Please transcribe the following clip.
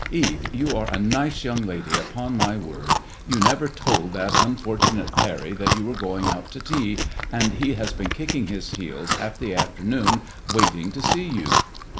Eve, you are a nice young lady, upon my word. You never told that unfortunate Parry that you were going out to tea, and he 5 6t ICADEMOISELLK IXB. has been kicking his heels half the afternoon waiting to see you."